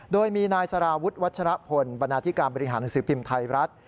โดยมีนายสารวุฒิวัชรพลบรรณาธิการบริหารหนังสือพิมพ์ไทยรัฐ